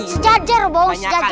sejajar bohong sejajar